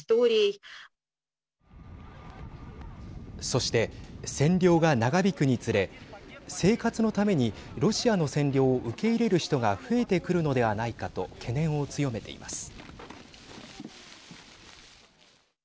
そして、占領が長引くにつれ生活のためにロシアの占領を受け入れる人が増えてくるのではないかと懸念を強めています。